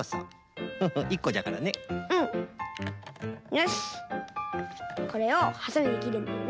よしこれをはさみできるんだよね。